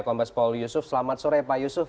kombes paul yusuf selamat sore pak yusuf